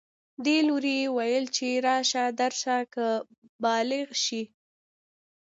دې لوري ویل چې راشه درشه کله بالغ شي